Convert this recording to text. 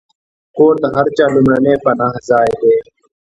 کور د هر چا لومړنی پناهځای دی.